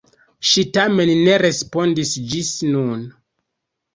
Ŝi tamen ne respondis ĝis nun.